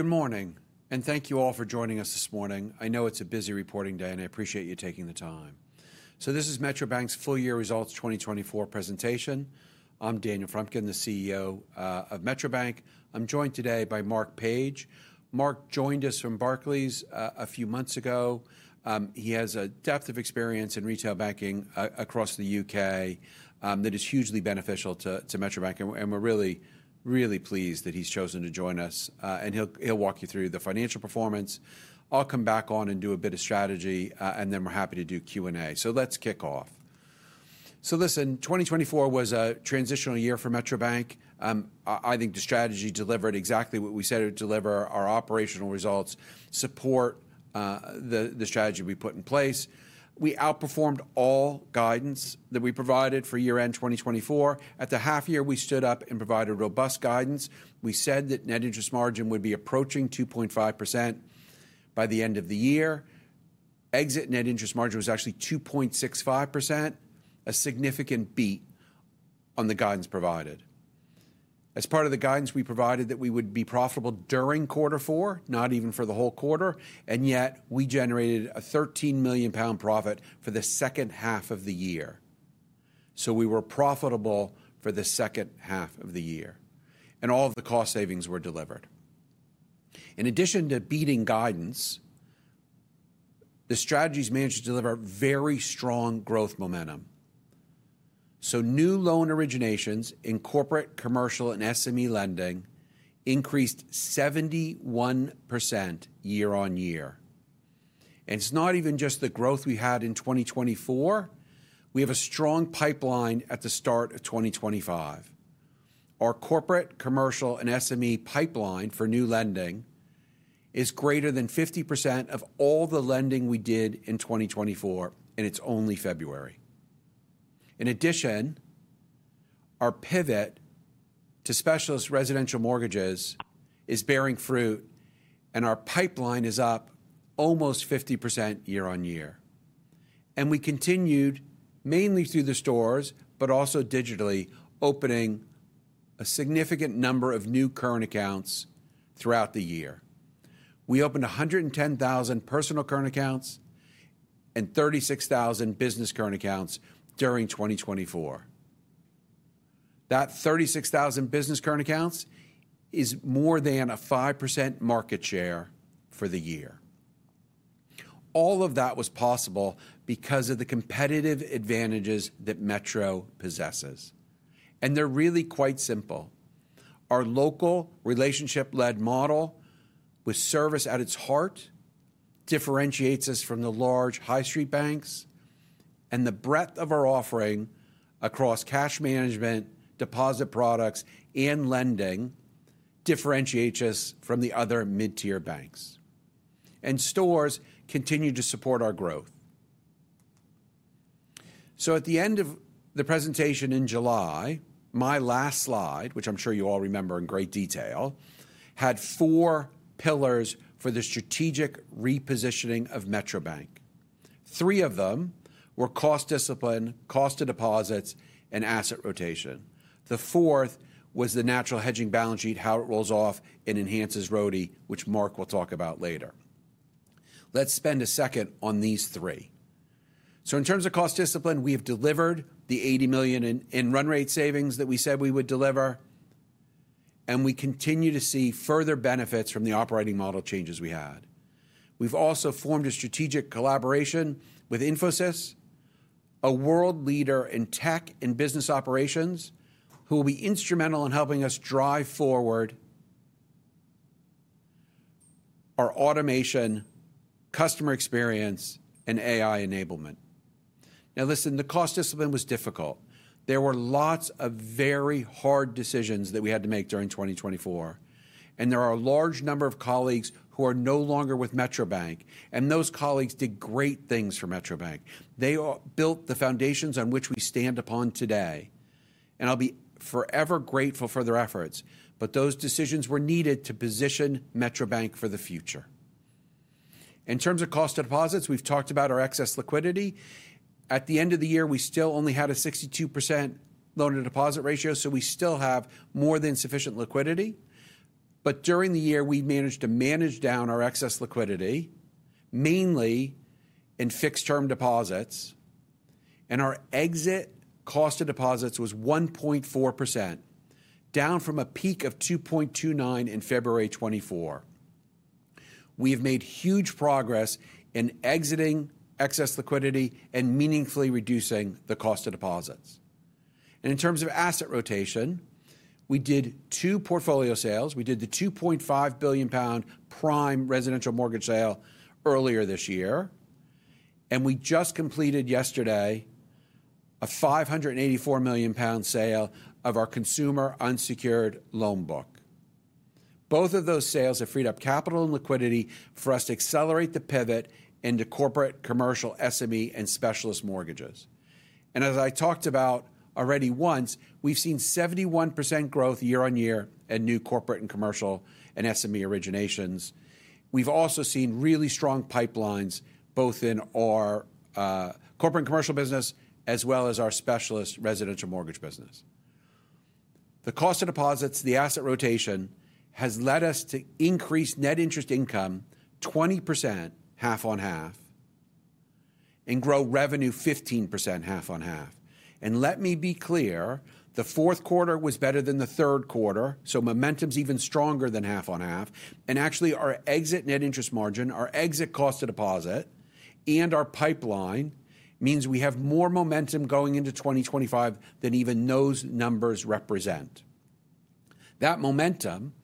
Good morning, and thank you all for joining us this morning. I know it's a busy reporting day, and I appreciate you taking the time. So this is Metro Bank's full-year results 2024 presentation. I'm Daniel Frumkin, the CEO of Metro Bank. I'm joined today by Marc Page. Marc joined us from Barclays a few months ago. He has a depth of experience in retail banking across the U.K. that is hugely beneficial to Metro Bank, and we're really, really pleased that he's chosen to join us. And he'll walk you through the financial performance. I'll come back on and do a bit of strategy, and then we're happy to do Q&A. So let's kick off. So listen, 2024 was a transitional year for Metro Bank. I think the strategy delivered exactly what we said it would deliver: our operational results support the strategy we put in place. We outperformed all guidance that we provided for year-end 2024. At the half-year, we stood up and provided robust guidance. We said that net interest margin would be approaching 2.5% by the end of the year. Exit net interest margin was actually 2.65%, a significant beat on the guidance provided. As part of the guidance, we provided that we would be profitable during quarter four, not even for the whole quarter, and yet we generated a 13 million pound profit for the second half of the year. So we were profitable for the second half of the year, and all of the cost savings were delivered. In addition to beating guidance, the strategies managed to deliver very strong growth momentum. So new loan originations in corporate, commercial, and SME lending increased 71% year-on-year. And it's not even just the growth we had in 2024. We have a strong pipeline at the start of 2025. Our corporate, commercial, and SME pipeline for new lending is greater than 50% of all the lending we did in 2024, and it's only February. In addition, our pivot to specialist residential mortgages is bearing fruit, and our pipeline is up almost 50% year-on-year, and we continued mainly through the stores, but also digitally, opening a significant number of new current accounts throughout the year. We opened 110,000 personal current accounts and 36,000 business current accounts during 2024. That 36,000 business current accounts is more than a 5% market share for the year. All of that was possible because of the competitive advantages that Metro possesses, and they're really quite simple. Our local relationship-led model with service at its heart differentiates us from the large high-street banks, and the breadth of our offering across cash management, deposit products, and lending differentiates us from the other mid-tier banks, and stores continue to support our growth, so at the end of the presentation in July, my last slide, which I'm sure you all remember in great detail, had four pillars for the strategic repositioning of Metro Bank. Three of them were cost discipline, cost of deposits, and asset rotation. The fourth was the natural hedging balance sheet, how it rolls off and enhances ROTE, which Marc will talk about later. Let's spend a second on these three, so in terms of cost discipline, we have delivered the 80 million in run rate savings that we said we would deliver, and we continue to see further benefits from the operating model changes we had. We've also formed a strategic collaboration with Infosys, a world leader in tech and business operations, who will be instrumental in helping us drive forward our automation, customer experience, and AI enablement. Now, listen, the cost discipline was difficult. There were lots of very hard decisions that we had to make during 2024, and there are a large number of colleagues who are no longer with Metro Bank, and those colleagues did great things for Metro Bank. They built the foundations on which we stand upon today, and I'll be forever grateful for their efforts, but those decisions were needed to position Metro Bank for the future. In terms of cost of deposits, we've talked about our excess liquidity. At the end of the year, we still only had a 62% loan-to-deposit ratio, so we still have more than sufficient liquidity. But during the year, we managed to manage down our excess liquidity, mainly in fixed-term deposits, and our exit cost of deposits was 1.4%, down from a peak of 2.29% in February 2024. We have made huge progress in exiting excess liquidity and meaningfully reducing the cost of deposits. And in terms of asset rotation, we did two portfolio sales. We did the 2.5 billion pound prime residential mortgage sale earlier this year, and we just completed yesterday a 584 million pound sale of our consumer unsecured loan book. Both of those sales have freed up capital and liquidity for us to accelerate the pivot into corporate, commercial, SME, and specialist mortgages. And as I talked about already once, we've seen 71% growth year-on-year in new corporate and commercial and SME originations. We've also seen really strong pipelines both in our corporate and commercial business as well as our specialist residential mortgage business. The cost of deposits, the asset rotation has led us to increase net interest income 20%, half on half, and grow revenue 15%, half on half. And let me be clear, the fourth quarter was better than the third quarter, so momentum's even stronger than half on half. And actually, our exit net interest margin, our exit cost of deposit, and our pipeline means we have more momentum going into 2025 than even those numbers represent. That momentum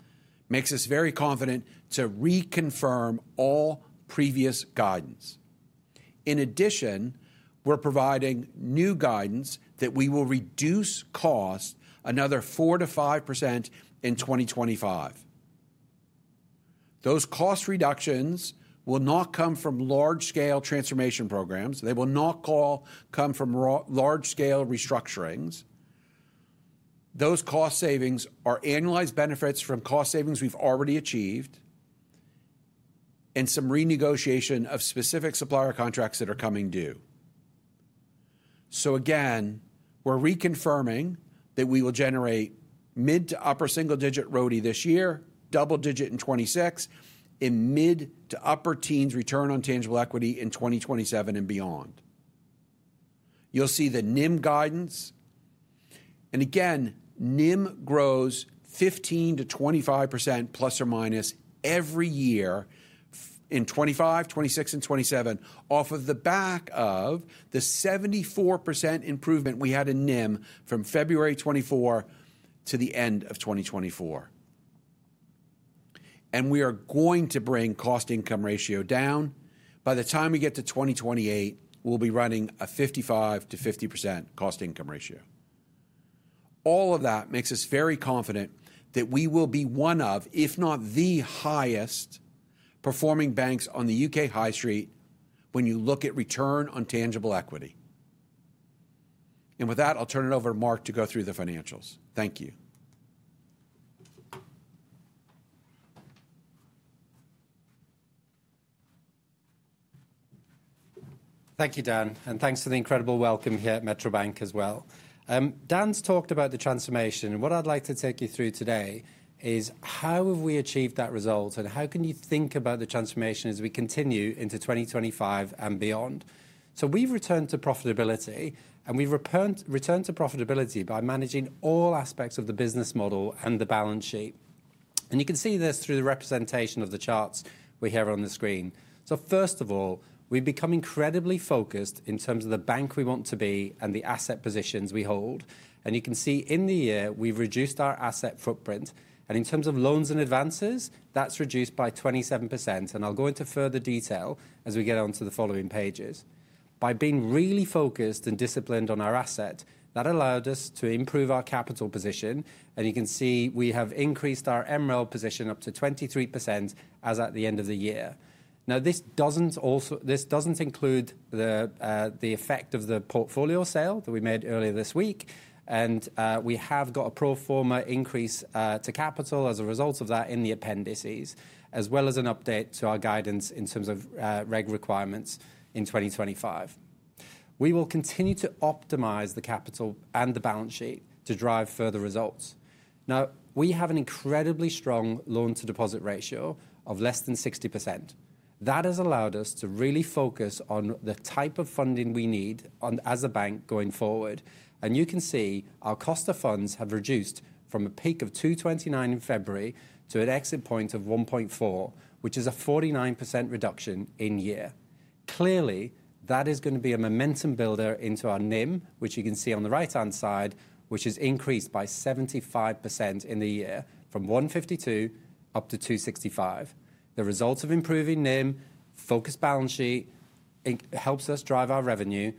makes us very confident to reconfirm all previous guidance. In addition, we're providing new guidance that we will reduce costs another 4% to 5% in 2025. Those cost reductions will not come from large-scale transformation programs. They will not come from large-scale restructurings. Those cost savings are annualized benefits from cost savings we've already achieved and some renegotiation of specific supplier contracts that are coming due. So again, we're reconfirming that we will generate mid- to upper single-digit ROTE this year, double-digit in 2026, and mid- to upper teens return on tangible equity in 2027 and beyond. You'll see the NIM guidance, and again, NIM grows 15%-25% plus or minus every year in 2025, 2026, and 2027 off of the back of the 74% improvement we had in NIM from February 2024 to the end of 2024. We are going to bring cost-income ratio down. By the time we get to 2028, we'll be running a 55%-50% cost-income ratio. All of that makes us very confident that we will be one of, if not the highest, performing banks on the U.K. high street when you look at return on tangible equity. And with that, I'll turn it over to Marc to go through the financials. Thank you. Thank you, Dan, and thanks for the incredible welcome here at Metro Bank as well. Dan's talked about the transformation, and what I'd like to take you through today is how have we achieved that result, and how can you think about the transformation as we continue into 2025 and beyond? So we've returned to profitability, and we've returned to profitability by managing all aspects of the business model and the balance sheet. And you can see this through the representation of the charts we have on the screen. So first of all, we've become incredibly focused in terms of the bank we want to be and the asset positions we hold. And you can see in the year we've reduced our asset footprint. And in terms of loans and advances, that's reduced by 27%. And I'll go into further detail as we get on to the following pages. By being really focused and disciplined on our asset, that allowed us to improve our capital position. And you can see we have increased our MREL position up to 23% as at the end of the year. Now, this doesn't include the effect of the portfolio sale that we made earlier this week, and we have got a pro forma increase to capital as a result of that in the appendices, as well as an update to our guidance in terms of reg requirements in 2025. We will continue to optimize the capital and the balance sheet to drive further results. Now, we have an incredibly strong loan-to-deposit ratio of less than 60%. That has allowed us to really focus on the type of funding we need as a bank going forward. You can see our cost of funds have reduced from a peak of 229 in February to an exit point of 1.4, which is a 49% reduction in year. Clearly, that is going to be a momentum builder into our NIM, which you can see on the right-hand side, which has increased by 75% in the year from 152 up to 265. The result of improving NIM, focused balance sheet, helps us drive our revenue.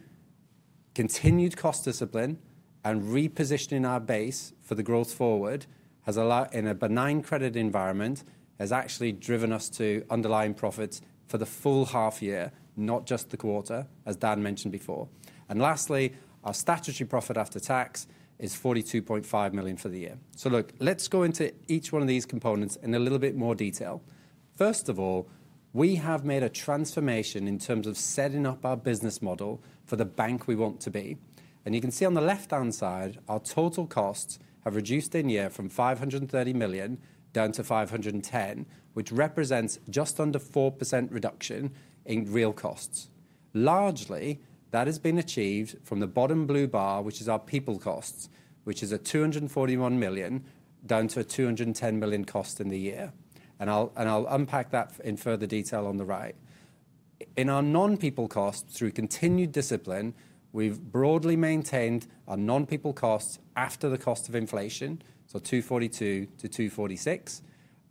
Continued cost discipline and repositioning our base for the growth forward has allowed, in a benign credit environment, has actually driven us to underlying profits for the full half year, not just the quarter, as Dan mentioned before. Lastly, our statutory profit after tax is 42.5 million for the year. Look, let's go into each one of these components in a little bit more detail. First of all, we have made a transformation in terms of setting up our business model for the bank we want to be. And you can see on the left-hand side, our total costs have reduced in year from 530 million down to 510, which represents just under 4% reduction in real costs. Largely, that has been achieved from the bottom blue bar, which is our people costs, which is a 241 million down to a 210 million cost in the year. And I'll unpack that in further detail on the right. In our non-people costs, through continued discipline, we've broadly maintained our non-people costs after the cost of inflation, so 242-246.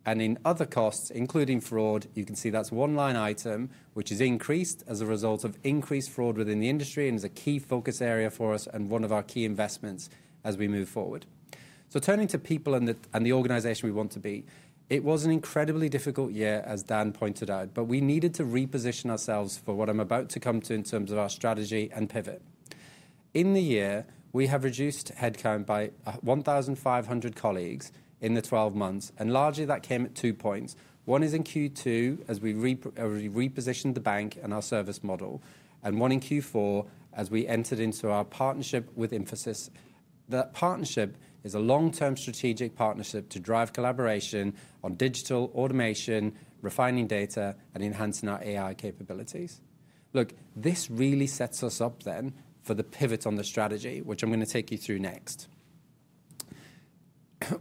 And in other costs, including fraud, you can see that's one line item, which has increased as a result of increased fraud within the industry and is a key focus area for us and one of our key investments as we move forward. So turning to people and the organization we want to be, it was an incredibly difficult year, as Dan pointed out, but we needed to reposition ourselves for what I'm about to come to in terms of our strategy and pivot. In the year, we have reduced headcount by 1,500 colleagues in the 12 months, and largely that came at two points. One is in Q2 as we repositioned the bank and our service model, and one in Q4 as we entered into our partnership with Infosys. That partnership is a long-term strategic partnership to drive collaboration on digital automation, refining data, and enhancing our AI capabilities. Look, this really sets us up then for the pivot on the strategy, which I'm going to take you through next.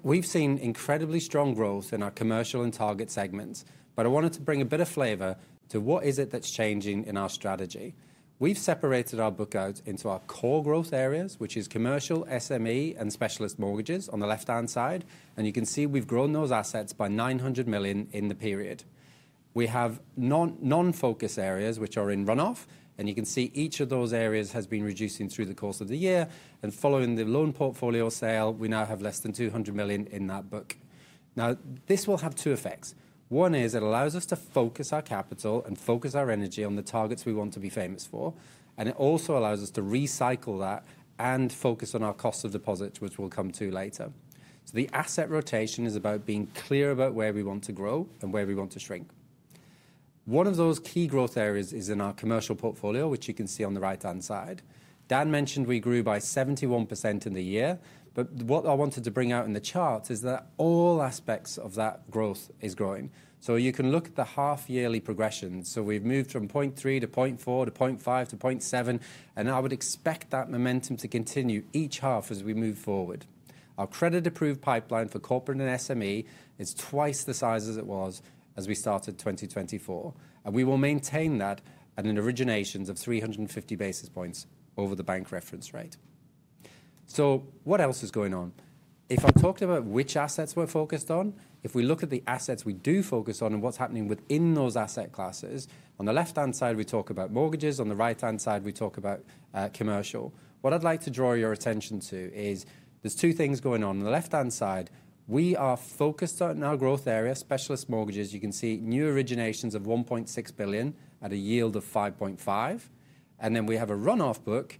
We've seen incredibly strong growth in our commercial and target segments, but I wanted to bring a bit of flavor to what is it that's changing in our strategy. We've separated our book out into our core growth areas, which is commercial, SME, and specialist mortgages on the left-hand side. And you can see we've grown those assets by 900 million in the period. We have non-focus areas, which are in runoff, and you can see each of those areas has been reducing through the course of the year. And following the loan portfolio sale, we now have less than 200 million in that book. Now, this will have two effects. One is, it allows us to focus our capital and focus our energy on the targets we want to be famous for, and it also allows us to recycle that and focus on our cost of deposits, which we'll come to later. So the asset rotation is about being clear about where we want to grow and where we want to shrink. One of those key growth areas is in our commercial portfolio, which you can see on the right-hand side. Dan mentioned we grew by 71% in the year, but what I wanted to bring out in the charts is that all aspects of that growth is growing. So you can look at the half-yearly progression. So we've moved from 0.3 to 0.4 to 0.5 to 0.7, and I would expect that momentum to continue each half as we move forward. Our credit-approved pipeline for corporate and SME is twice the size as it was as we started 2024, and we will maintain that at an originations of 350 basis points over the bank reference rate. So what else is going on? If I talked about which assets we're focused on, if we look at the assets we do focus on and what's happening within those asset classes, on the left-hand side, we talk about mortgages. On the right-hand side, we talk about commercial. What I'd like to draw your attention to is there's two things going on. On the left-hand side, we are focused on our growth area, specialist mortgages. You can see new originations of 1.6 billion at a yield of 5.5, and then we have a runoff book,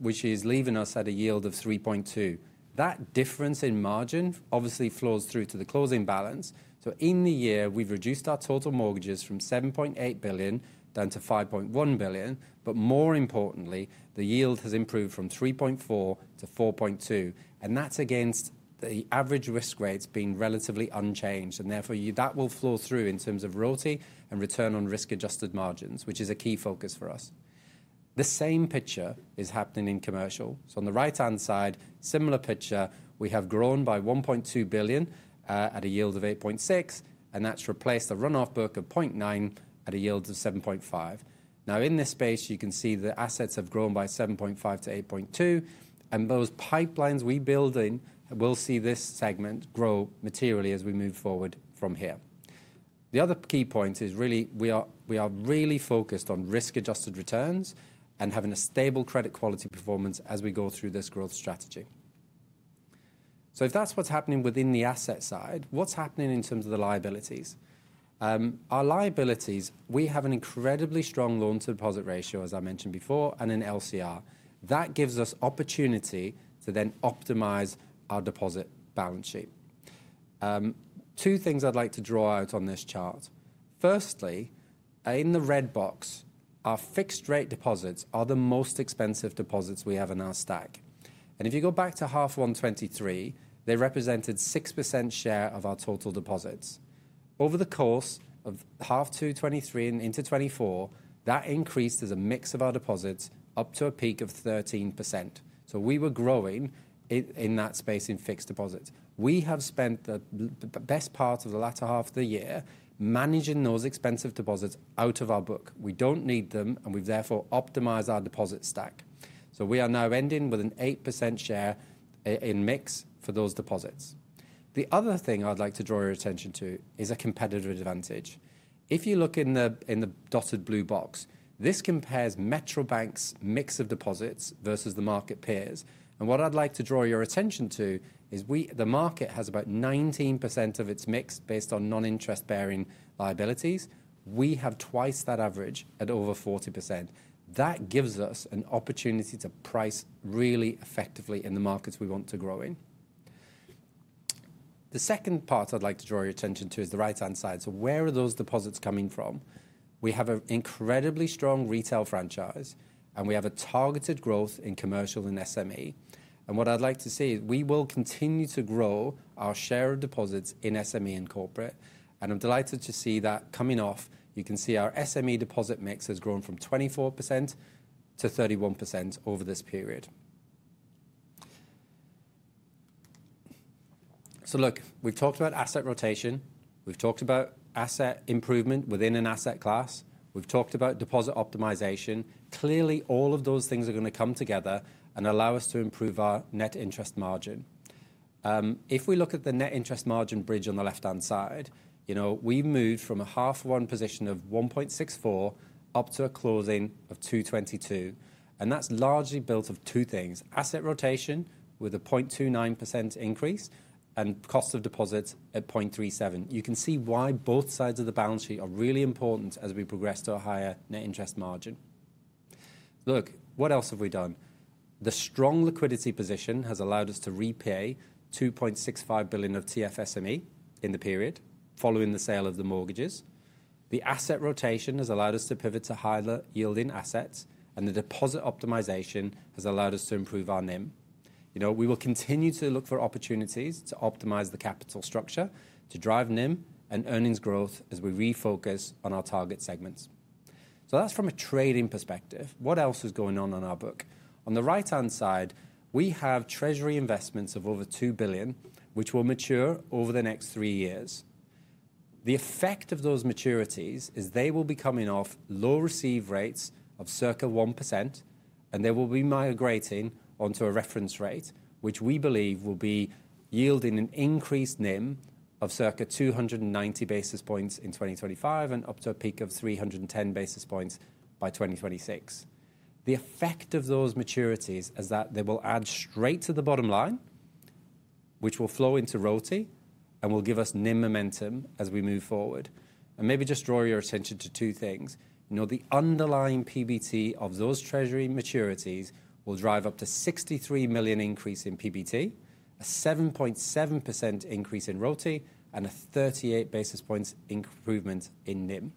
which is leaving us at a yield of 3.2. That difference in margin obviously flows through to the closing balance. So in the year, we've reduced our total mortgages from 7.8 billion down to 5.1 billion, but more importantly, the yield has improved from 3.4 to 4.2, and that's against the average risk rates being relatively unchanged, and therefore that will flow through in terms of profitability and return on risk-adjusted margins, which is a key focus for us. The same picture is happening in commercial. So on the right-hand side, similar picture. We have grown by 1.2 billion at a yield of 8.6, and that's replaced a runoff book of 0.9 at a yield of 7.5. Now, in this space, you can see the assets have grown by 7.5 to 8.2, and those pipelines we build in will see this segment grow materially as we move forward from here. The other key point is really we are really focused on risk-adjusted returns and having a stable credit quality performance as we go through this growth strategy. So if that's what's happening within the asset side, what's happening in terms of the liabilities? Our liabilities, we have an incredibly strong loan-to-deposit ratio, as I mentioned before, and an LCR. That gives us opportunity to then optimize our deposit balance sheet. Two things I'd like to draw out on this chart. Firstly, in the red box, our fixed-rate deposits are the most expensive deposits we have in our stack. And if you go back to H1 2023, they represented 6% share of our total deposits. Over the course of H2 2023 and into 2024, that increased as a mix of our deposits up to a peak of 13%. So we were growing in that space in fixed deposits. We have spent the best part of the latter half of the year managing those expensive deposits out of our book. We don't need them, and we've therefore optimized our deposit stack. So we are now ending with an 8% share in mix for those deposits. The other thing I'd like to draw your attention to is a competitive advantage. If you look in the dotted blue box, this compares Metro Bank's mix of deposits versus the market peers. And what I'd like to draw your attention to is the market has about 19% of its mix based on non-interest-bearing liabilities. We have twice that average at over 40%. That gives us an opportunity to price really effectively in the markets we want to grow in. The second part I'd like to draw your attention to is the right-hand side. So where are those deposits coming from? We have an incredibly strong retail franchise, and we have a targeted growth in commercial and SME, and what I'd like to see is we will continue to grow our share of deposits in SME and corporate, and I'm delighted to see that coming off. You can see our SME deposit mix has grown from 24% to 31% over this period. Look, we've talked about asset rotation. We've talked about asset improvement within an asset class. We've talked about deposit optimization. Clearly, all of those things are going to come together and allow us to improve our net interest margin. If we look at the net interest margin bridge on the left-hand side, we moved from a half one position of 1.64 up to a closing of 222, and that's largely built of two things: asset rotation with a 0.29% increase and cost of deposits at 0.37. You can see why both sides of the balance sheet are really important as we progress to a higher net interest margin. Look, what else have we done? The strong liquidity position has allowed us to repay 2.65 billion of TFSME in the period following the sale of the mortgages. The asset rotation has allowed us to pivot to higher yielding assets, and the deposit optimization has allowed us to improve our NIM. We will continue to look for opportunities to optimize the capital structure to drive NIM and earnings growth as we refocus on our target segments. So that's from a trading perspective. What else is going on in our book? On the right-hand side, we have treasury investments of over 2 billion, which will mature over the next three years. The effect of those maturities is they will be coming off low receive rates of circa 1%, and they will be migrating onto a reference rate, which we believe will be yielding an increased NIM of circa 290 basis points in 2025 and up to a peak of 310 basis points by 2026. The effect of those maturities is that they will add straight to the bottom line, which will flow into ROTE and will give us NIM momentum as we move forward. And maybe just draw your attention to two things. The underlying PBT of those treasury maturities will drive up to 63 million increase in PBT, a 7.7% increase in ROTE, and a 38 basis points improvement in NIM.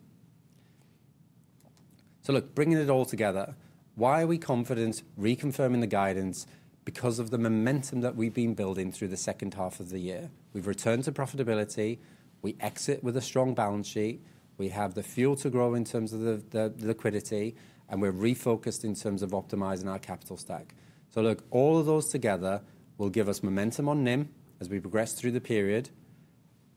So look, bringing it all together, why are we confident reconfirming the guidance? Because of the momentum that we've been building through the second half of the year. We've returned to profitability. We exit with a strong balance sheet. We have the fuel to grow in terms of the liquidity, and we're refocused in terms of optimizing our capital stack. So look, all of those together will give us momentum on NIM as we progress through the period.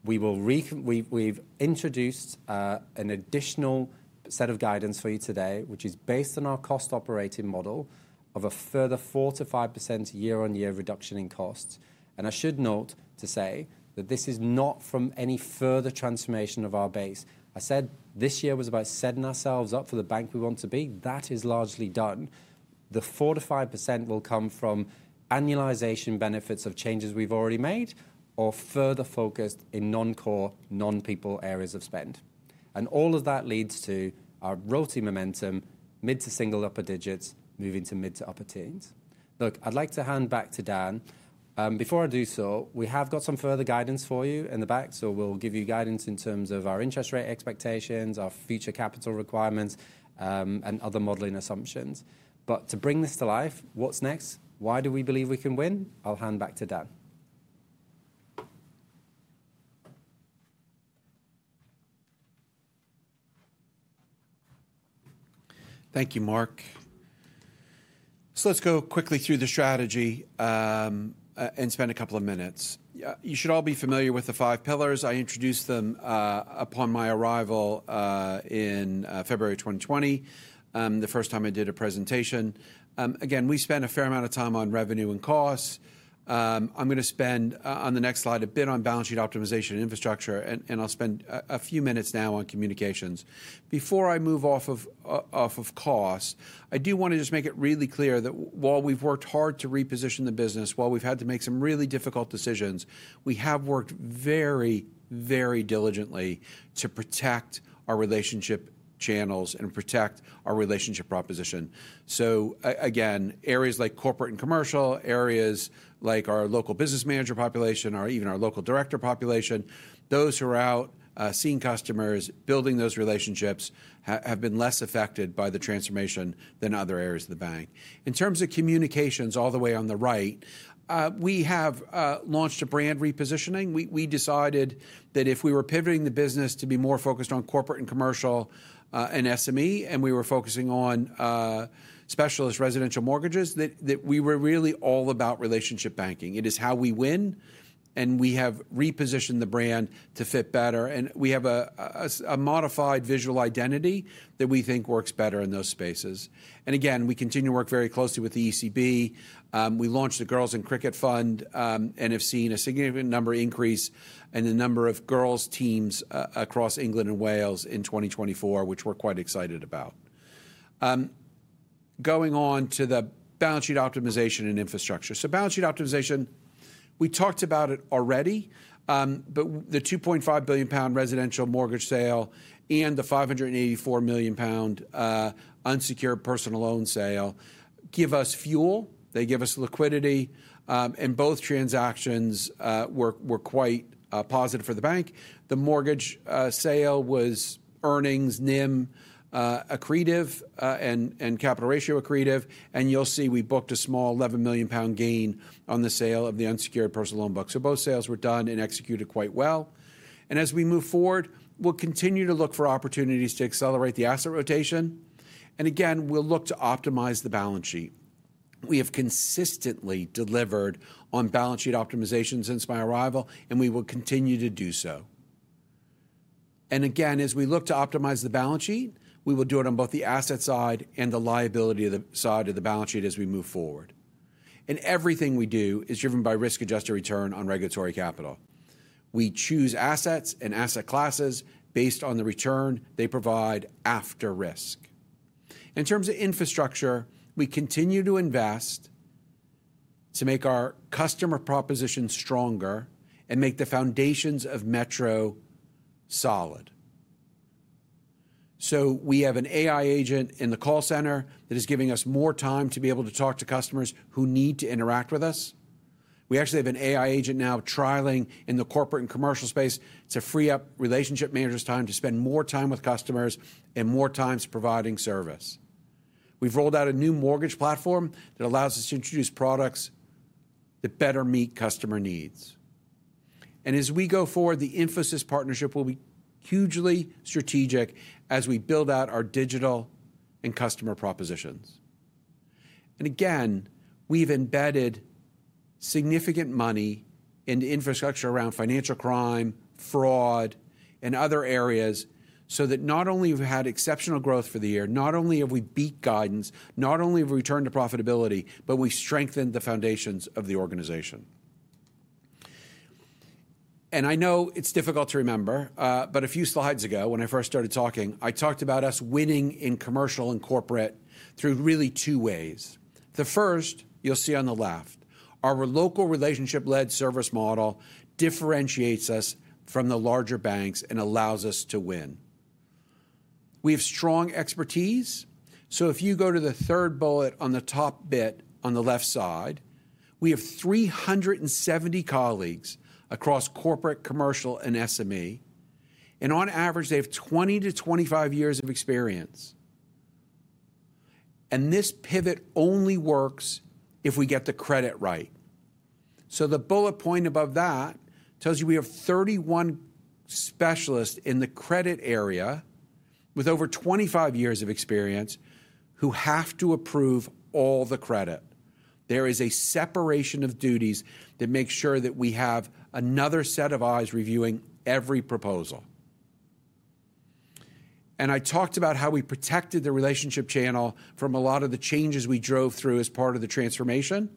We've introduced an additional set of guidance for you today, which is based on our cost operating model of a further 4%-5% year-on-year reduction in costs. And I should note to say that this is not from any further transformation of our base. I said this year was about setting ourselves up for the bank we want to be. That is largely done. The 4%-5% will come from annualization benefits of changes we've already made or further focused in non-core, non-people areas of spend. And all of that leads to our loyalty momentum, mid- to single-upper digits, moving to mid- to upper teens. Look, I'd like to hand back to Dan. Before I do so, we have got some further guidance for you in the pack, so we'll give you guidance in terms of our interest rate expectations, our future capital requirements, and other modeling assumptions. But to bring this to life, what's next? Why do we believe we can win? I'll hand back to Dan. Thank you, Marc. So let's go quickly through the strategy and spend a couple of minutes. You should all be familiar with the five pillars. I introduced them upon my arrival in February 2020, the first time I did a presentation. Again, we spent a fair amount of time on revenue and costs. I'm going to spend on the next slide a bit on balance sheet optimization and infrastructure, and I'll spend a few minutes now on communications. Before I move off of costs, I do want to just make it really clear that while we've worked hard to reposition the business, while we've had to make some really difficult decisions, we have worked very, very diligently to protect our relationship channels and protect our relationship proposition. So again, areas like corporate and commercial, areas like our local business manager population, or even our local director population, those who are out seeing customers, building those relationships have been less affected by the transformation than other areas of the bank. In terms of communications, all the way on the right, we have launched a brand repositioning. We decided that if we were pivoting the business to be more focused on corporate and commercial and SME, and we were focusing on specialist residential mortgages, that we were really all about relationship banking. It is how we win, and we have repositioned the brand to fit better, and we have a modified visual identity that we think works better in those spaces, and again, we continue to work very closely with the ECB. We launched the Girls in Cricket Fund and have seen a significant number increase in the number of girls' teams across England and Wales in 2024, which we're quite excited about. Going on to the balance sheet optimization and infrastructure, so balance sheet optimization, we talked about it already, but the 2.5 billion pound residential mortgage sale and the 584 million pound unsecured personal loan sale give us fuel. They give us liquidity, and both transactions were quite positive for the bank. The mortgage sale was earnings, NIM accretive, and capital ratio accretive. And you'll see we booked a small 11 million pound gain on the sale of the unsecured personal loan book. So both sales were done and executed quite well. And as we move forward, we'll continue to look for opportunities to accelerate the asset rotation. And again, we'll look to optimize the balance sheet. We have consistently delivered on balance sheet optimization since my arrival, and we will continue to do so. And again, as we look to optimize the balance sheet, we will do it on both the asset side and the liability side of the balance sheet as we move forward. And everything we do is driven by risk-adjusted return on regulatory capital. We choose assets and asset classes based on the return they provide after risk. In terms of infrastructure, we continue to invest to make our customer proposition stronger and make the foundations of Metro solid. So we have an AI agent in the call center that is giving us more time to be able to talk to customers who need to interact with us. We actually have an AI agent now trialing in the corporate and commercial space to free up relationship managers' time to spend more time with customers and more time providing service. We've rolled out a new mortgage platform that allows us to introduce products that better meet customer needs. And as we go forward, the infosys partnership will be hugely strategic as we build out our digital and customer propositions. Again, we've embedded significant money into infrastructure around financial crime, fraud, and other areas so that not only have we had exceptional growth for the year, not only have we beat guidance, not only have we returned to profitability, but we strengthened the foundations of the organization. I know it's difficult to remember, but a few slides ago, when I first started talking, I talked about us winning in commercial and corporate through really two ways. The first, you'll see on the left, our local relationship-led service model differentiates us from the larger banks and allows us to win. We have strong expertise. If you go to the third bullet on the top bit on the left side, we have 370 colleagues across corporate, commercial, and SME. On average, they have 20 years-25 years of experience. And this pivot only works if we get the credit right. So the bullet point above that tells you we have 31 specialists in the credit area with over 25 years of experience who have to approve all the credit. There is a separation of duties that makes sure that we have another set of eyes reviewing every proposal. And I talked about how we protected the relationship channel from a lot of the changes we drove through as part of the transformation.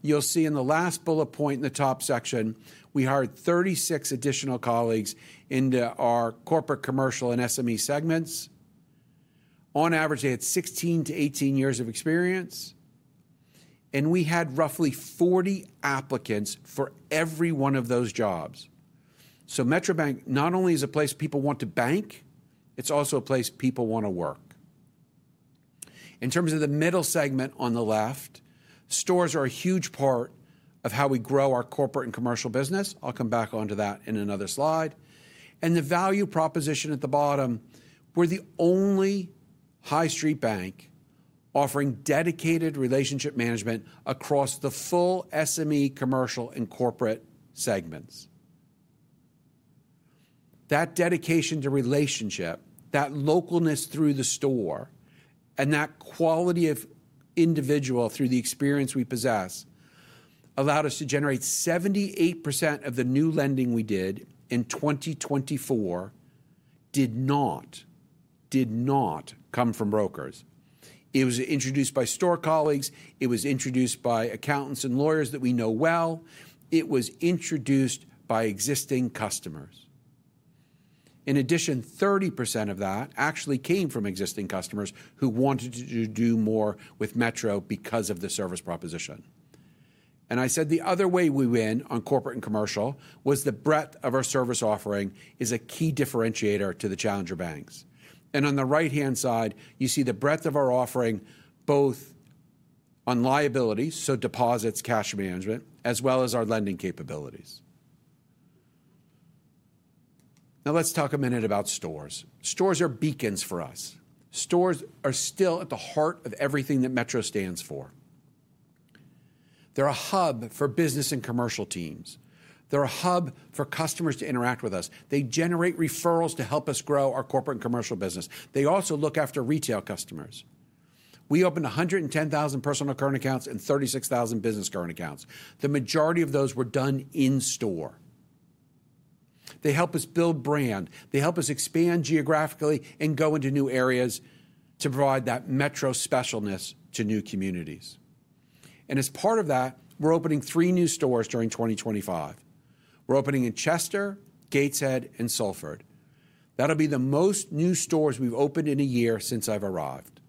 You'll see in the last bullet point in the top section, we hired 36 additional colleagues into our corporate, commercial, and SME segments. On average, they had 16 years-18 years of experience. And we had roughly 40 applicants for every one of those jobs. So Metro Bank not only is a place people want to bank, it's also a place people want to work. In terms of the middle segment on the left, stores are a huge part of how we grow our corporate and commercial business. I'll come back on to that in another slide, and the value proposition at the bottom, we're the only high street bank offering dedicated relationship management across the full SME, commercial, and corporate segments. That dedication to relationship, that localeness through the store, and that quality of individual through the experience we possess allowed us to generate 78% of the new lending we did in 2024 did not come from brokers. It was introduced by store colleagues. It was introduced by accountants and lawyers that we know well. It was introduced by existing customers. In addition, 30% of that actually came from existing customers who wanted to do more with Metro because of the service proposition. And I said the other way we win on corporate and commercial was the breadth of our service offering is a key differentiator to the challenger banks. And on the right-hand side, you see the breadth of our offering both on liabilities, so deposits, cash management, as well as our lending capabilities. Now let's talk a minute about stores. Stores are beacons for us. Stores are still at the heart of everything that Metro stands for. They're a hub for business and commercial teams. They're a hub for customers to interact with us. They generate referrals to help us grow our corporate and commercial business. They also look after retail customers. We opened 110,000 personal current accounts and 36,000 business current accounts. The majority of those were done in store. They help us build brand. They help us expand geographically and go into new areas to provide that Metro specialness to new communities. And as part of that, we're opening three new stores during 2025. We're opening in Chester, Gateshead, and Salford. That'll be the most new stores we've opened in a year since I've arrived.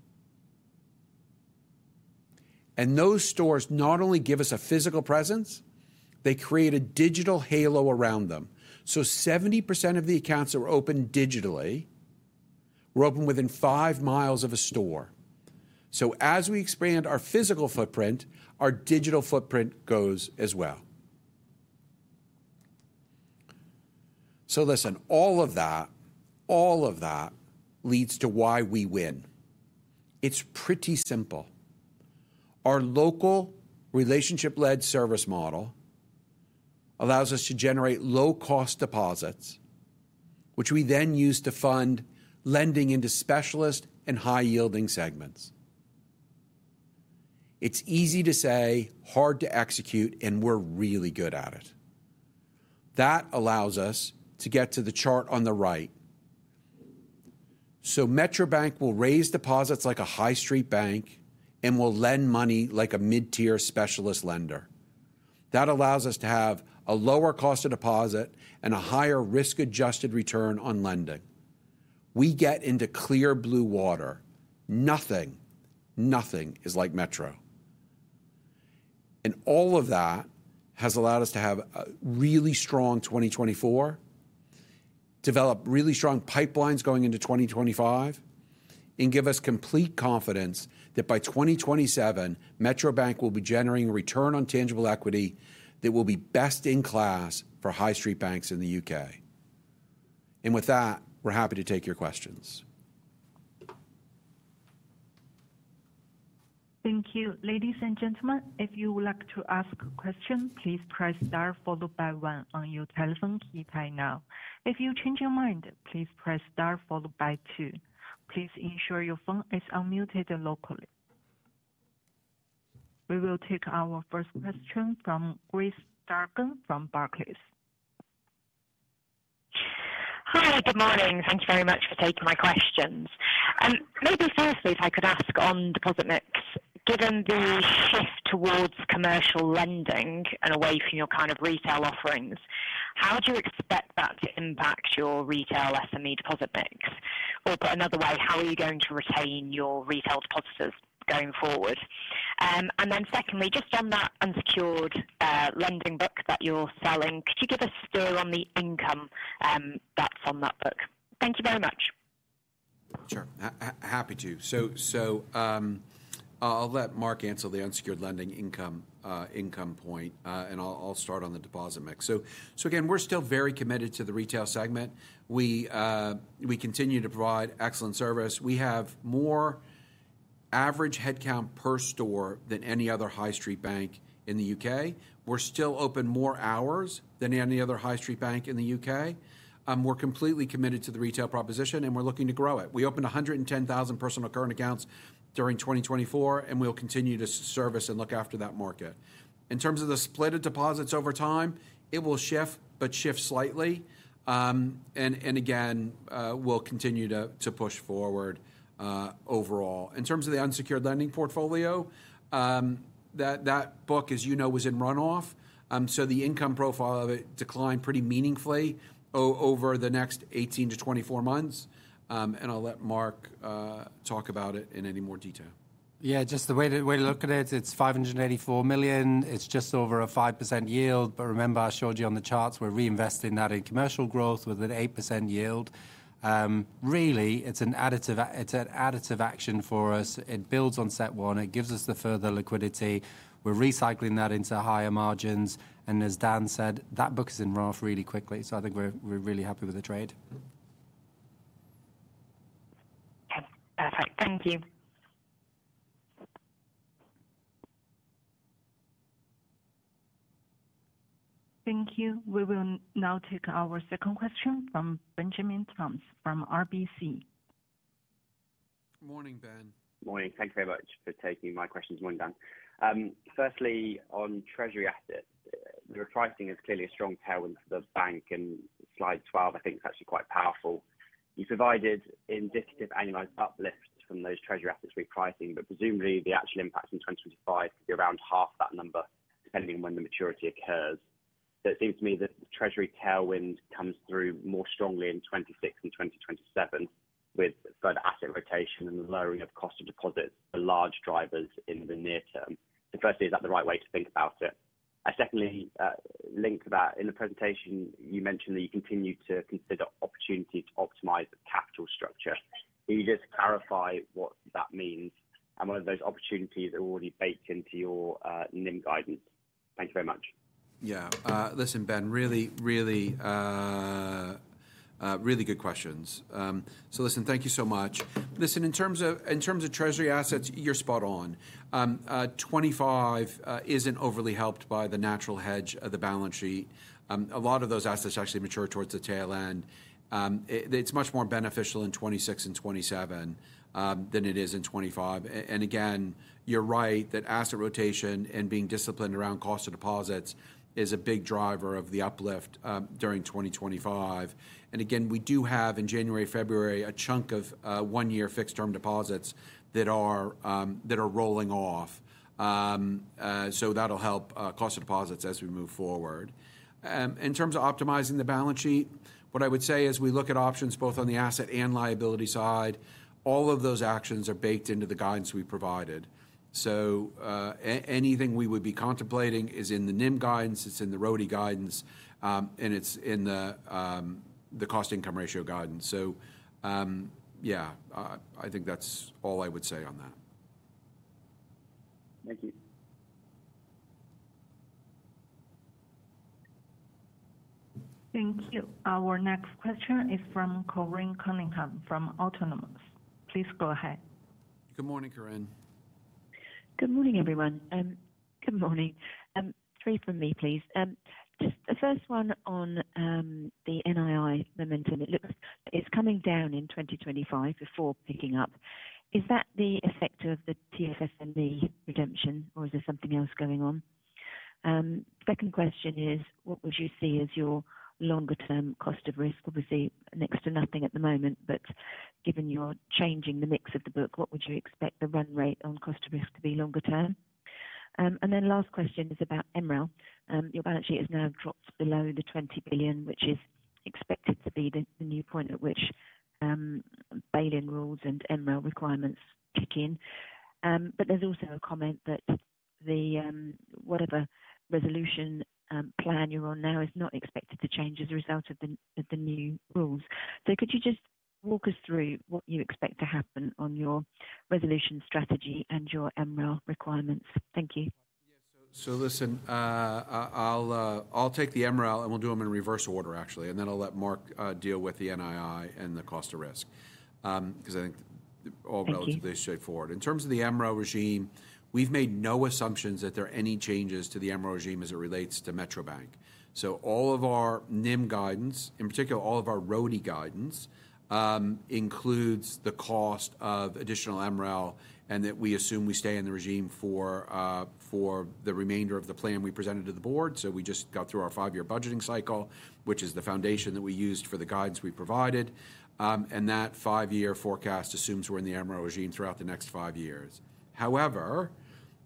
And those stores not only give us a physical presence, they create a digital halo around them. So 70% of the accounts that were opened digitally were opened within 5 mi of a store. So as we expand our physical footprint, our digital footprint goes as well. So listen, all of that, all of that leads to why we win. It's pretty simple. Our local relationship-led service model allows us to generate low-cost deposits, which we then use to fund lending into specialist and high-yielding segments. It's easy to say, hard to execute, and we're really good at it. That allows us to get to the chart on the right. So Metro Bank will raise deposits like a high street bank and will lend money like a mid-tier specialist lender. That allows us to have a lower cost of deposit and a higher risk-adjusted return on lending. We get into clear blue water. Nothing, nothing is like Metro. And all of that has allowed us to have a really strong 2024, develop really strong pipelines going into 2025, and give us complete confidence that by 2027, Metro Bank will be generating a return on tangible equity that will be best in class for high street banks in the U.K. And with that, we're happy to take your questions. Thank you. Ladies and gentlemen, if you would like to ask a question, please press star followed by one on your telephone keypad now. If you change your mind, please press star followed by two. Please ensure your phone is unmuted locally. We will take our first question from Grace Dargan from Barclays. Hi, good morning. Thanks very much for taking my questions. Maybe firstly, if I could ask on deposit mix, given the shift towards commercial lending and away from your kind of retail offerings, how do you expect that to impact your retail SME deposit mix? Or put another way, how are you going to retain your retail depositors going forward? And then secondly, just on that unsecured lending book that you're selling, could you give us a steer on the income that's on that book? Thank you very much. Sure. Happy to. So I'll let Marc answer the unsecured lending income point, and I'll start on the deposit mix. So again, we're still very committed to the retail segment. We continue to provide excellent service. We have more average headcount per store than any other high street bank in the U.K. We're still open more hours than any other high street bank in the U.K. We're completely committed to the retail proposition, and we're looking to grow it. We opened 110,000 personal current accounts during 2024, and we'll continue to service and look after that market. In terms of the split deposits over time, it will shift, but shift slightly, and again, we'll continue to push forward overall. In terms of the unsecured lending portfolio, that book, as you know, was in runoff. So the income profile of it declined pretty meaningfully over the next 18 months-24 months. And I'll let Marc talk about it in any more detail. Yeah, just the way to look at it, it's 584 million. It's just over a 5% yield. But remember, I showed you on the charts, we're reinvesting that in commercial growth with an 8% yield. Really, it's an additive action for us. It builds on step one. It gives us the further liquidity. We're recycling that into higher margins. And as Dan said, that book is in runoff really quickly. So I think we're really happy with the trade. Perfect. Thank you. Thank you. We will now take our second question from Benjamin Toms from RBC. Morning, Ben. Morning. Thank you very much for taking my questions. Morning, Dan. Firstly, on treasury assets, the repricing is clearly a strong tailwind for the bank. And slide 12, I think, is actually quite powerful. You provided indicative annualized uplift from those treasury assets repricing, but presumably the actual impact in 2025 could be around half that number, depending on when the maturity occurs. But it seems to me that the treasury tailwind comes through more strongly in 2026 and 2027 with further asset rotation and the lowering of cost of deposits, the large drivers in the near term. So firstly, is that the right way to think about it? I secondly link to that. In the presentation, you mentioned that you continue to consider opportunities to optimize capital structure. Can you just clarify what that means? And one of those opportunities are already baked into your NIM guidance. Thank you very much. Yeah. Listen, Ben, really, really, really good questions. So listen, thank you so much. Listen, in terms of treasury assets, you're spot on. 2025 isn't overly helped by the natural hedge of the balance sheet. A lot of those assets actually mature towards the tail end. It's much more beneficial in 2026 and 2027 than it is in 2025. And again, you're right that asset rotation and being disciplined around cost of deposits is a big driver of the uplift during 2025. And again, we do have in January, February, a chunk of one-year fixed-term deposits that are rolling off. So that'll help cost of deposits as we move forward. In terms of optimizing the balance sheet, what I would say is we look at options both on the asset and liability side. All of those actions are baked into the guidance we provided. So anything we would be contemplating is in the NIM guidance. It's in the ROTE guidance, and it's in the cost-income ratio guidance. So yeah, I think that's all I would say on that. Thank you. Thank you. Our next question is from Corinne Cunningham from Autonomous. Please go ahead. Good morning, Corinne. Good morning, everyone. Good morning. Three for me, please. The first one on the NII momentum, it looks is coming down in 2025 before picking up. Is that the effect of the TFSME redemption, or is there something else going on? Second question is, what would you see as your longer-term cost of risk? Obviously, next to nothing at the moment, but given you're changing the mix of the book, what would you expect the run rate on cost of risk to be longer-term? And then last question is about MREL. Your balance sheet has now dropped below the 20 billion, which is expected to be the new point at which bail-in rules and MREL requirements kick in. But there's also a comment that the whatever resolution plan you're on now is not expected to change as a result of the new rules. So could you just walk us through what you expect to happen on your resolution strategy and your MREL requirements? Thank you. So listen, I'll take the MREL, and we'll do them in reverse order, actually. And then I'll let Marc deal with the NII and the cost of risk because I think they're all relatively straightforward. In terms of the MREL regime, we've made no assumptions that there are any changes to the MREL regime as it relates to Metro Bank. So all of our NIM guidance, in particular, all of our ROTCE guidance, includes the cost of additional MREL and that we assume we stay in the regime for the remainder of the plan we presented to the Board. So we just got through our five-year budgeting cycle, which is the foundation that we used for the guidance we provided. That five-year forecast assumes we're in the MREL regime throughout the next five years. However,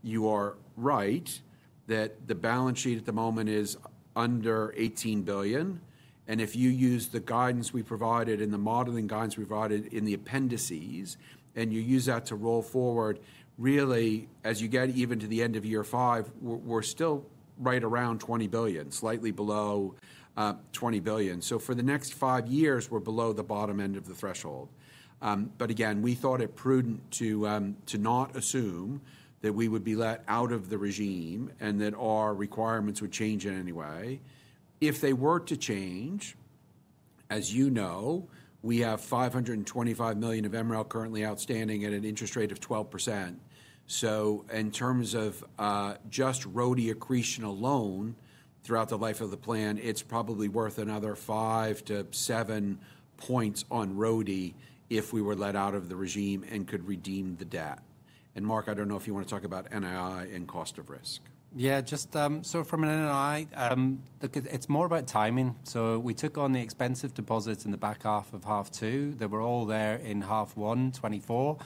you are right that the balance sheet at the moment is under 18 billion. And if you use the guidance we provided in the modeling guidance we provided in the appendices, and you use that to roll forward, really, as you get even to the end of year five, we're still right around 20 billion, slightly below 20 billion. So for the next five years, we're below the bottom end of the threshold. But again, we thought it prudent to not assume that we would be let out of the regime and that our requirements would change in any way. If they were to change, as you know, we have 525 million of MREL currently outstanding at an interest rate of 12%. In terms of just ROTE accretion alone throughout the life of the plan, it's probably worth another 5 points-7 points on ROTE if we were let out of the regime and could redeem the debt. Marc, I don't know if you want to talk about NII and cost of risk. Yeah, just so from an NII, it's more about timing. We took on the expensive deposits in the back half of half two. They were all there in half one, 2024,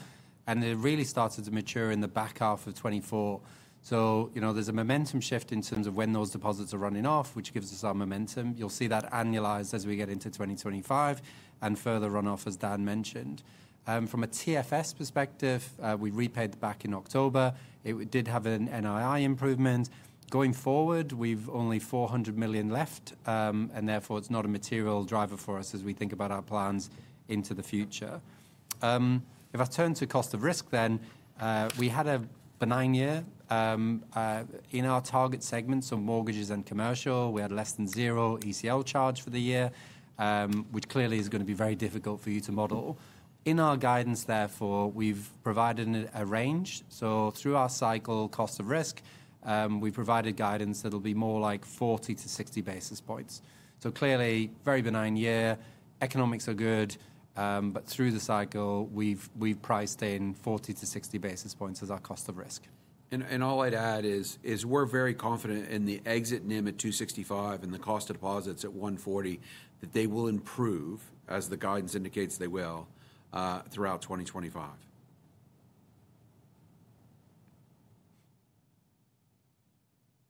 and they really started to mature in the back half of 2024. There's a momentum shift in terms of when those deposits are running off, which gives us our momentum. You'll see that annualized as we get into 2025 and further runoff, as Dan mentioned. From a TFS perspective, we repaid back in October. It did have an NII improvement. Going forward, we've only 400 million left, and therefore, it's not a material driver for us as we think about our plans into the future. If I turn to cost of risk, then we had a benign year in our target segment, so mortgages and commercial. We had less than zero ECL charge for the year, which clearly is going to be very difficult for you to model. In our guidance, therefore, we've provided a range. So through our cycle, cost of risk, we've provided guidance that'll be more like 40-60 basis points. So clearly, very benign year. Economics are good, but through-the-cycle, we've priced in 40 basis points-60 basis points as our cost of risk. And all I'd add is we're very confident in the exit NIM at 265 and the cost of deposits at 140 that they will improve, as the guidance indicates they will, throughout 2025.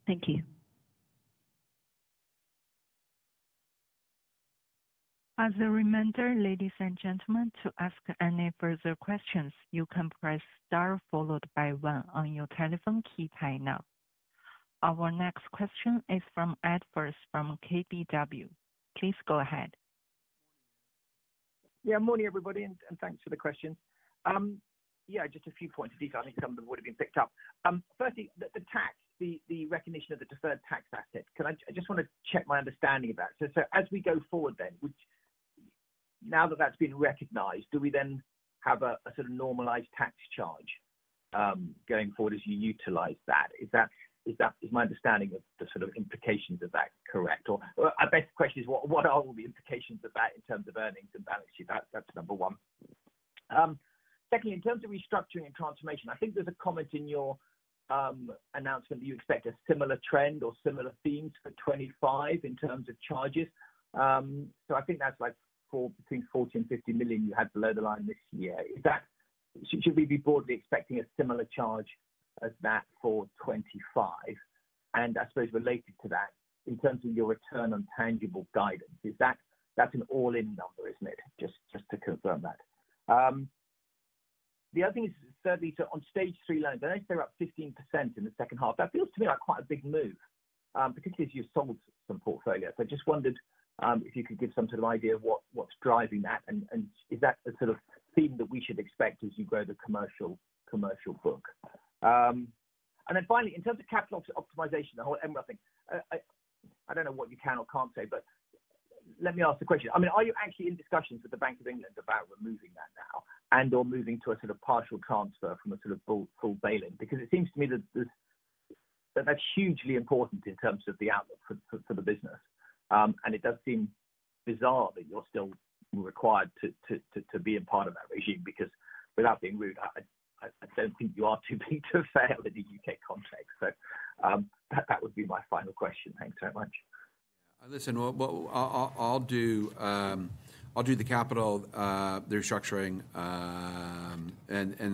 Thank you. As a reminder, ladies and gentlemen, to ask any further questions, you can press star followed by one on your telephone keypad now. Our next question is from Ed Firth from KBW. Please go ahead. Yeah, morning, everybody, and thanks for the questions. Yeah, just a few points of detail. I think some of them would have been picked up. Firstly, the tax, the recognition of the deferred tax asset, I just want to check my understanding of that. So as we go forward, then, now that that's been recognized, do we then have a sort of normalized tax charge going forward as you utilize that? Is my understanding of the sort of implications of that correct? Or my best question is, what are the implications of that in terms of earnings and balance sheet? That's number one. Secondly, in terms of restructuring and transformation, I think there's a comment in your announcement that you expect a similar trend or similar themes for 2025 in terms of charges. So I think that's like between 40 million and 50 million you had below the line this year. Should we be broadly expecting a similar charge as that for 2025? And I suppose related to that, in terms of your return on tangible guidance, that's an all-in number, isn't it? Just to confirm that. The other thing is, certainly, on Stage 3 line, they're up 15% in the second half. That feels to me like quite a big move, particularly as you've sold some portfolio. So I just wondered if you could give some sort of idea of what's driving that, and is that a sort of theme that we should expect as you grow the commercial book? And then finally, in terms of capital optimization, the whole MREL thing, I don't know what you can or can't say, but let me ask the question. I mean, are you actually in discussions with the Bank of England about removing that now and/or moving to a sort of partial transfer from a sort of full bail-in? Because it seems to me that that's hugely important in terms of the outlook for the business. And it does seem bizarre that you're still required to be a part of that regime because, without being rude, I don't think you are too big to fail in the U.K. context. So that would be my final question. Thanks very much. Yeah. Listen, I'll do the capital, the restructuring, and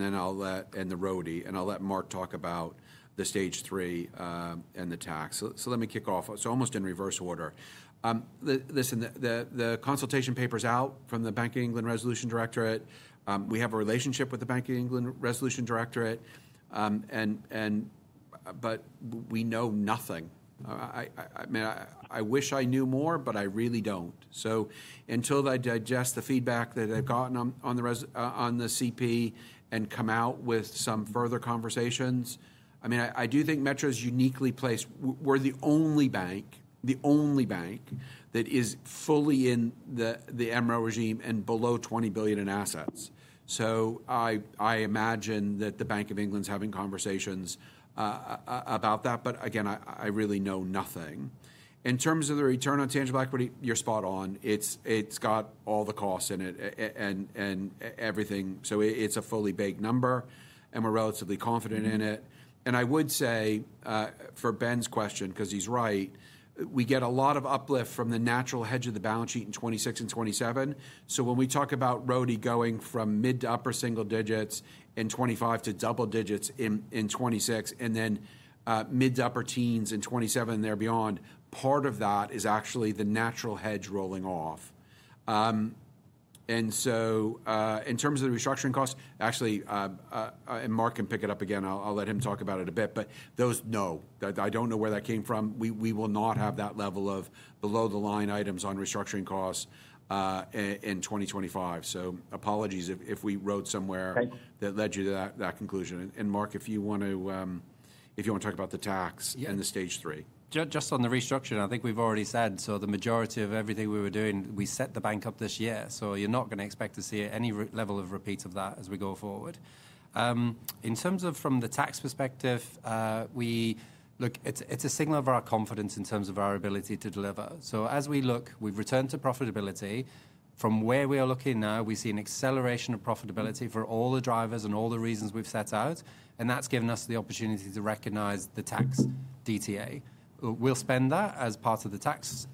then I'll let and the ROTE, and I'll let Marc talk about the Stage 3 and the tax. So let me kick off. Almost in reverse order. Listen, the consultation paper's out from the Bank of England Resolution Directorate. We have a relationship with the Bank of England Resolution Directorate, but we know nothing. I mean, I wish I knew more, but I really don't. So until I digest the feedback that I've gotten on the CP and come out with some further conversations, I mean, I do think Metro is uniquely placed. We're the only bank, the only bank that is fully in the MREL regime and below 20 billion in assets. So I imagine that the Bank of England's having conversations about that. But again, I really know nothing. In terms of the return on tangible equity, you're spot on. It's got all the costs in it and everything. So it's a fully baked number, and we're relatively confident in it. And I would say, for Ben's question, because he's right, we get a lot of uplift from the natural hedge of the balance sheet in 2026 and 2027. So when we talk about ROTE going from mid to upper single digits in 2025 to double digits in 2026, and then mid to upper teens in 2027 and there beyond, part of that is actually the natural hedge rolling off. And so in terms of the restructuring cost, actually, and Marc can pick it up again. I'll let him talk about it a bit. But those, no, I don't know where that came from. We will not have that level of below-the-line items on restructuring costs in 2025. So, apologies if we wrote somewhere that led you to that conclusion. And Marc, if you want to, if you want to talk about the tax and the Stage 3. Just on the restructuring, I think we've already said. So the majority of everything we were doing, we set the bank up this year. So you're not going to expect to see any level of repeat of that as we go forward. In terms of from the tax perspective, it's a signal of our confidence in terms of our ability to deliver. So as we look, we've returned to profitability. From where we are looking now, we see an acceleration of profitability for all the drivers and all the reasons we've set out. And that's given us the opportunity to recognize the tax DTA. We'll spend that as part of the tax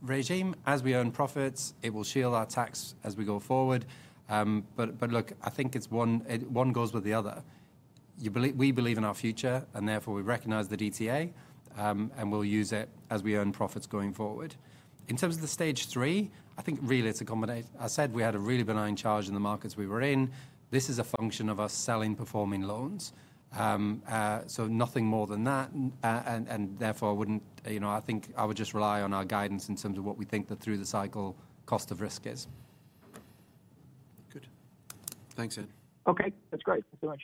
regime. As we earn profits, it will shield our tax as we go forward. But look, I think one goes with the other. We believe in our future, and therefore, we recognize the DTA, and we'll use it as we earn profits going forward. In terms of the Stage 3, I think really it's a combination. I said we had a really benign charge in the markets we were in. This is a function of us selling performing loans. So nothing more than that. And therefore, I think I would just rely on our guidance in terms of what we think that through-the-cycle cost of Risk is. Good. Thanks, Ed. Okay. That's great.